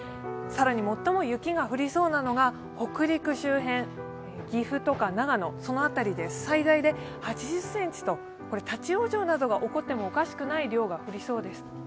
更に最も雪が降りそうなのが北陸周辺、岐阜とか長野とかその辺りで最大で８０ｃｍと、立往生が起こってもおかしくない量が降りそうです。